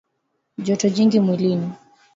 Joto jingi mwilini